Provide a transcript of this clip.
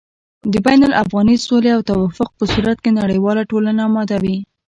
د بين الافغاني سولې او توافق په صورت کې نړېواله ټولنه اماده وه